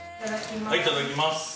いただきます。